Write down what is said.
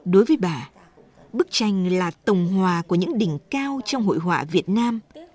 đối với bà bức tranh là tổng hòa của những đỉnh cao trong hội họa việt nam